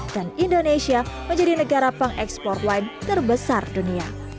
dan indonesia menjadi negara pengekspor wine terbesar dunia